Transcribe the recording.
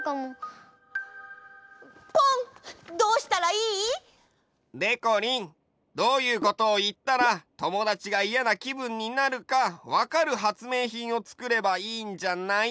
ポンどうしたらいい？でこりんどういうことをいったらともだちがイヤなきぶんになるかわかる発明品をつくればいいんじゃない？